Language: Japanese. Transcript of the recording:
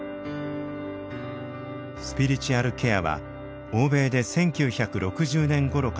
スピリチュアルケアは欧米で１９６０年ごろから普及。